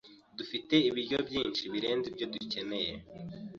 Dufite ibiryo byinshi birenze ibyo dukeneye.